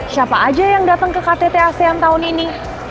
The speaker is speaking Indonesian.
siapa aja yang datang ke ktt asean tahun ini